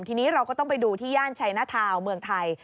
ทีนี้เราก็ต้องไปดูที่ย่านชัยหน้าทาวน์เมืองไทย